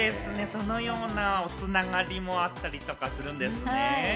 そのようなつながりもあったりとかするんですね。